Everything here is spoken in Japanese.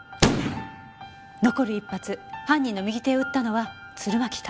残る１発犯人の右手を撃ったのは鶴巻隊員。